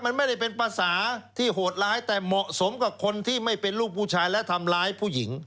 มันไม่ได้เป็นภาษาที่โหดร้ายแต่เหมาะสมกับคนที่ไม่เป็นลูกผู้ชายและทำร้ายผู้หญิง